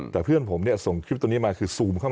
แต่เพื่อนผมส่งคลิปตัวนี้มาซูมตรงใกล้